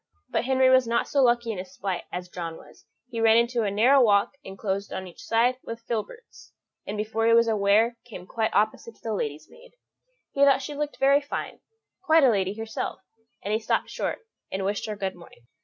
But Henry was not so lucky in his flight as John was; he ran into a narrow walk enclosed on each side with filberts, and before he was aware came quite opposite to the lady's maid. He thought she looked very fine quite a lady herself; and he stopped short, and wished her good morning.